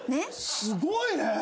すごいね！